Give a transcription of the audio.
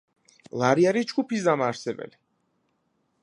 ლარი არის ჯგუფის დამაარსებელი.